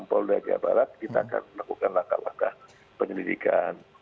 polda jawa barat kita akan melakukan langkah langkah penyelidikan